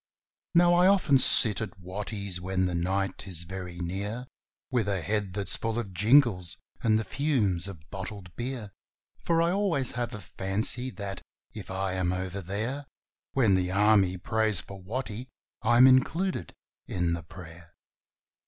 Now, I often sit at Watty's when the night is very near, With a head that's full of jingles and the fumes of bottled beer, For I always have a fancy that, if I am over there When the Army prays for Watty, I'm included in the prayer.